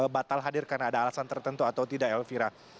batal hadir karena ada alasan tertentu atau tidak elvira